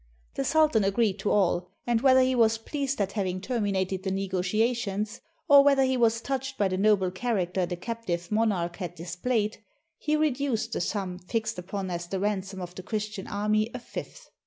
The sultan agreed to all; and, whether he was pleased at having terminated the negotiations, or whether he was touched by the noble character the captive monarch had displayed, he reduced the sum fixed upon as the ransom of the Christian army a fifth.